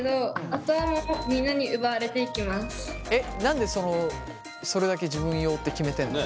えっ何でそれだけ自分用って決めてんの？